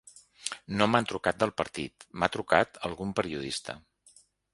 No m’han trucat del partit, m’ha trucat algun periodista.